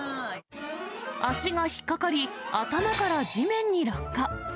足が引っ掛かり、頭から地面に落下。